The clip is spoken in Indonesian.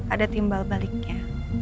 ada timbal baliknya